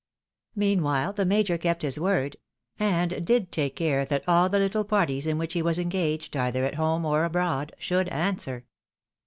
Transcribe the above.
Meanwhile, the Major kept his word, and did take care that all the httle parties in which he was engaged, either at home or abroad, should answer.